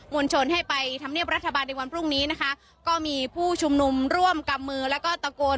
วลชนให้ไปทำเนียบรัฐบาลในวันพรุ่งนี้นะคะก็มีผู้ชุมนุมร่วมกำมือแล้วก็ตะโกน